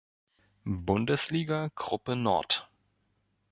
Bundesliga Gruppe Nord.